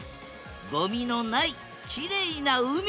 ごみのないきれいな海。